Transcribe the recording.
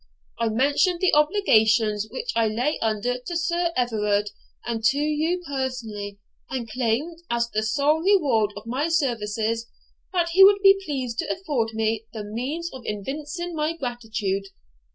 I mentioned the obligations which I lay under to Sir Everard and to you personally, and claimed, as the sole reward of my services, that he would be pleased to afford me the means of evincing my gratitude.